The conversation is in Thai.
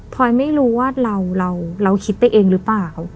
พอยไม่รู้ว่าเราเราเราคิดตัวเองหรือเปล่า